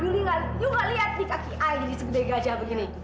lu ga liat kaki ayah ini sebeda gajah begini